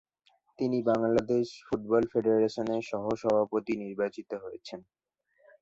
তিনি বাংলাদেশ ফুটবল ফেডারেশনের সহ-সভাপতি নির্বাচিত হয়েছেন।